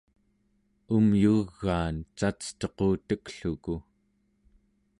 umyugaan cacetuqutekluku